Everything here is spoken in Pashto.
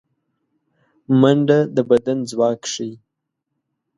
منډه د بدن ځواک ښيي